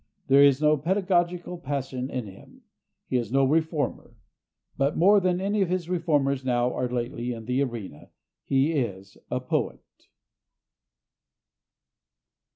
There is no pedagogical passion in him. He is no reformer. But more than any of the reformers now or lately in the arena, he is a poet.